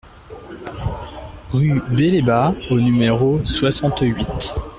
Rue Belébat au numéro soixante-huit